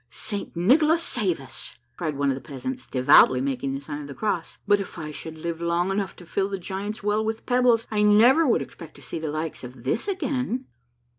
" St. Nicholas, save us !" cried one of the peasants, devoutly making the sign of the cross ;" but if I should live long enough to fill the Giants' Well with pebbles, I never would expect to see the like of this again."